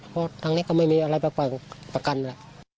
เพราะทางนี้ก็ไม่มีอะไรไปปล่อยประกันแหละ